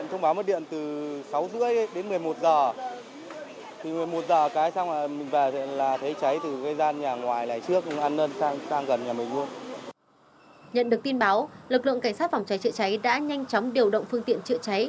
nhận được tin báo lực lượng cảnh sát phòng cháy chữa cháy đã nhanh chóng điều động phương tiện chữa cháy